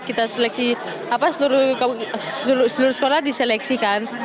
kita seleksi seluruh sekolah diseleksikan